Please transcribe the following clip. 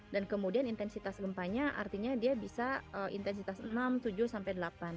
dan kemudian intensitas gempanya artinya dia bisa intensitas enam tujuh sampai delapan